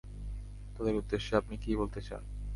তাদের উদ্দেশ্যে আপনি কী বলতে চান?